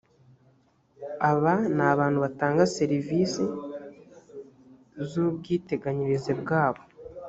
aba ni abantu batanga serivisi z ubwiteganyirize bwabo